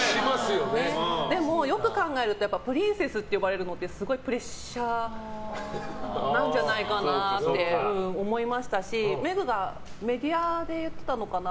でも、よく考えるとプリンセスって呼ばれるのってすごいプレッシャーなんじゃないかなって思いましたしメグがメディアで言ってたのかな